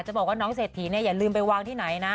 บอกว่าน้องเศรษฐีเนี่ยอย่าลืมไปวางที่ไหนนะ